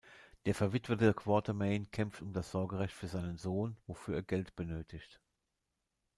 Der verwitwete Quatermain kämpft um das Sorgerecht für seinen Sohn, wofür er Geld benötigt.